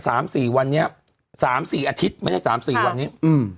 สามสี่วันนี้สามสี่อาทิตย์ไม่ใช่สามสี่วันนี้อืม